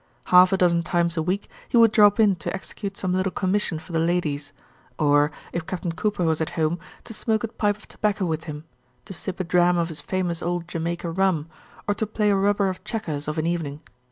Half a dozen times a week he would drop in to execute some little commission for the ladies, or, if Captain Cooper was at home, to smoke a pipe of tobacco with him, to sip a dram of his famous old Jamaica rum, or to play a rubber of checkers of an evening.